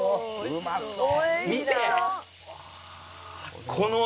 うまそう！